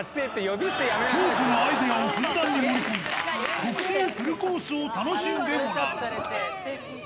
京子のアイデアをふんだんに盛り込んだ特製フルコースを楽しんでもらう。